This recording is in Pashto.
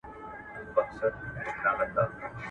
زه مخکي د کتابتوننۍ سره خبري کړي وو